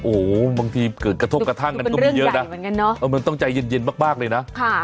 โอ้โหบางทีเกิดกระทบกระทั่งกันก็มีเยอะนะมันต้องใจเย็นมากเลยนะ